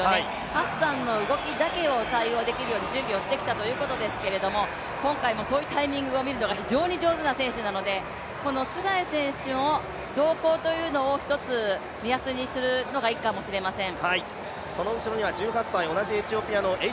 ハッサンの動きだけを対応できるように準備をしてきたということですけれども今回もそういうタイミングを見るのが非常に上手な選手なので、ツェガイ選手の動向を目安にするのがいいかもしれません。